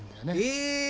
え！